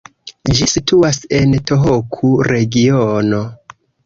Ĝi situas en Tohoku-regiono.